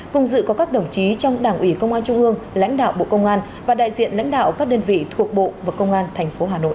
cùng dự có các đồng chí trong đảng ủy công an trung ương lãnh đạo bộ công an và đại diện lãnh đạo các đơn vị thuộc bộ và công an tp hà nội